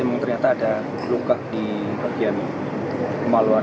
memang ternyata ada luka di bagian kemaluan